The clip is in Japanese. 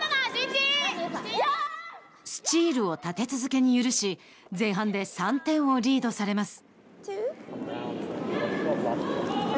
スチールを立て続けに許し前半で３点をリードされます。